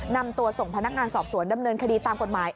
นำตัวส่งพนักงานสอบสวนดำเนินคดีตามกฎหมาย